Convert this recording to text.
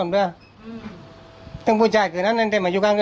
แรงโมง